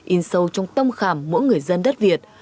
in sâu trong tâm khảm mỗi người dân đất việt